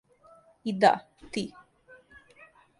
И да, ти.